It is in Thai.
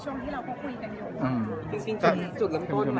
จริงก็อย่างที่พี่กวางพูดไปเนี่ยนะคะ